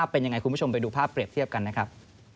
เป็นยังไงคุณผู้ชมไปดูภาพเปรียบเทียบกันนะครับ